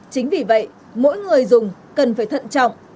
chính vì vậy mỗi người dùng cần phải thận trọng